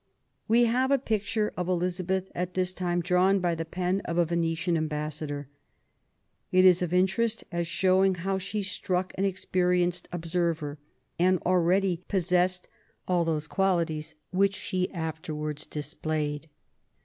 We have a picture of Elizabeth at this time, drawn by the pen of a Venetian ambassador. It is of interest as showing how she struck an experienced observer, and already possessed all those qualities which she afterwards displayed.